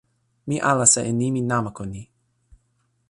mi alasa e nimi namako ni.